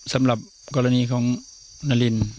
สำหรับกรณีของนาริน